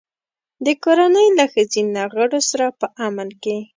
د کورنۍ له ښځینه غړو سره په امن کې.